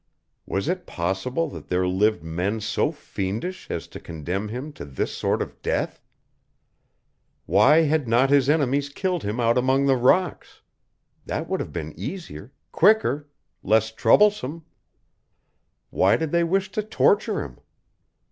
Was it possible that there lived men so fiendish as to condemn him to this sort of death? Why had not his enemies killed him out among the rocks? That would have been easier quicker less troublesome. Why did they wish to torture him?